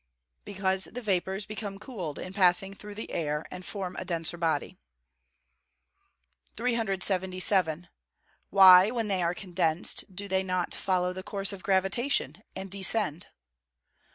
_ Because the vapours become cooled in passing through the air, and form a denser body. 377. _Why, when they are condensed, do they not follow the course of gravitation, and descend?